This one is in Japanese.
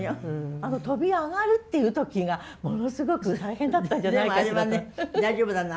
あの飛び上がるっていう時がものすごく大変だったんじゃないかしら。